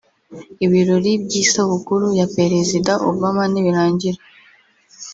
Ibirori by’isabukuru ya Perezida Obama nibirangira